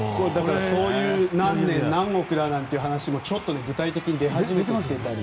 そういう何億だなんていう話もちょっと具体的に出始めていたり。